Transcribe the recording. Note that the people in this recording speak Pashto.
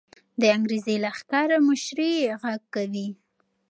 د انګریزي لښکر مشري غږ کوي.